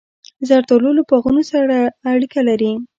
زردالو له باغونو سره اړیکه لري.